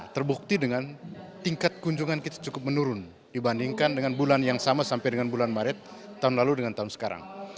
terbukti dengan tingkat kunjungan kita cukup menurun dibandingkan dengan bulan yang sama sampai dengan bulan maret tahun lalu dengan tahun sekarang